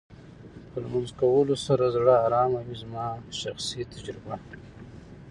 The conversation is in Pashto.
په لمونځ کولو سره زړه ارامه وې زما شخصي تجربه.